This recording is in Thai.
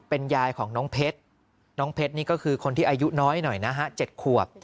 เป็นยายของน้องเพชรน้องเพชรนี่ก็คือคนที่อายุน้อยหน่อยนะฮะ๗ขวบ